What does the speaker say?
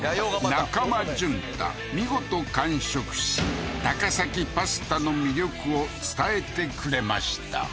中間淳太見事完食し高崎パスタの魅力を伝えてくれました